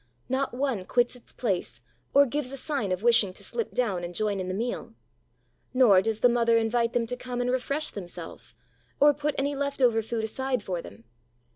Not one quits its place or gives a sign of wishing to slip down and join in the meal. Nor does the mother invite them to come and refresh themselves, or put any left over food aside for them.